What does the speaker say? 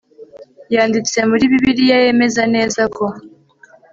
yanditse muri bibiliya yemeza neza ko